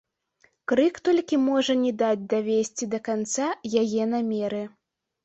Крык толькі можа не даць давесці да канца яе намеры.